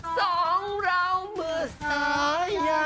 สองเราเมื่อสายยา